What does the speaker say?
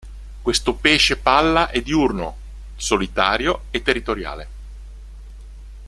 Questo pesce palla è diurno, solitario e territoriale.